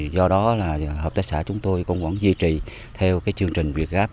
do đó hợp tác xã chúng tôi cũng vẫn duy trì theo chương trình việt gáp